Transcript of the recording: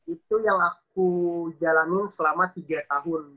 itu yang aku jalanin selama tiga tahun